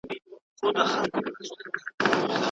موږ په خپل هیواد کي ازاد بازار لرو.